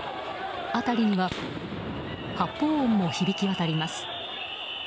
辺りには発砲音も響き渡ります。